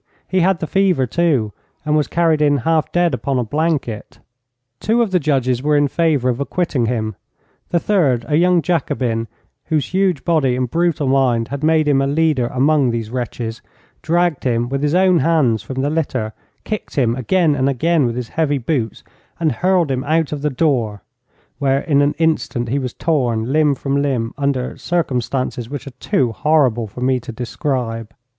He had the fever, too, and was carried in, half dead, upon a blanket. Two of the judges were in favour of acquitting him; the third, a young Jacobin, whose huge body and brutal mind had made him a leader among these wretches, dragged him, with his own hands, from the litter, kicked him again and again with his heavy boots, and hurled him out of the door, where in an instant he was torn limb from limb under circumstances which are too horrible for me to describe.